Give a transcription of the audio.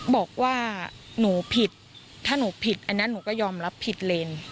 บอกว่าหนูผิดถ้าหนูผิดอันนั้นหนูก็ยอมรับผิดเลน